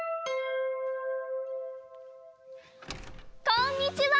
こんにちは！